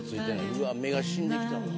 うわっ目が死んできたほら